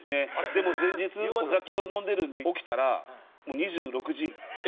でも前日お酒を飲んでるんで起きたらもう２６時。